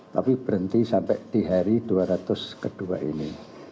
tapi berhenti sampai di hari dua ratus kedua ini